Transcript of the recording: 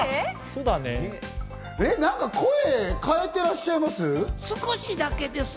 なんか声、変えてらっしゃいます？